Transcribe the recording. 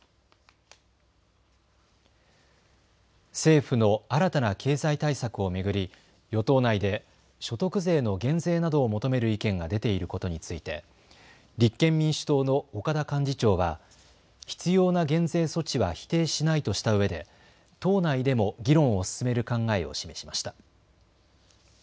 政府の新たな経済対策を巡り与党内で所得税の減税などを求める意見が出ていることについて立憲民主党の岡田幹事長は必要な減税措置は否定しないとしたうえで党内でも議論を進める考えを示しました。